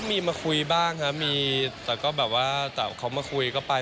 มีมาคุยบ้างครับมีแต่ก็แบบว่าแต่เขามาคุยก็ไป